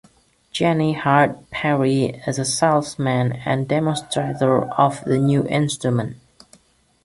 Jenny hired Perrey as a salesman and demonstrator of the new instrument.